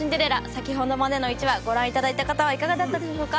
先ほどまでの１話ご覧いただいた方はいかがだったでしょうか？